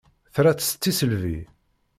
Tra-tt s tisselbi.